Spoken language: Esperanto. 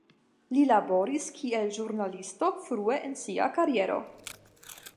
Li laboris kiel ĵurnalisto frue en sia kariero.